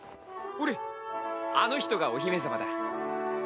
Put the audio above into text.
ほれあの人がお姫様だ。